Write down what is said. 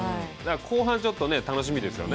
後半ちょっとね楽しみですよね。